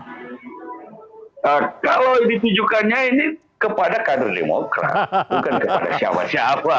kalau ditujukannya ini kepada kader demokrat bukan kepada siapa siapa